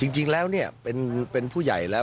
จริงแล้วเป็นผู้ใหญ่แล้ว